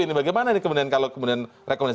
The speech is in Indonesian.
ini bagaimana ini kemudian kalau kemudian rekomendasi